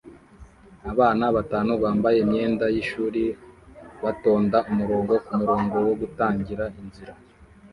Abana batanu bambaye imyenda yishuri batonda umurongo kumurongo wo gutangira inzira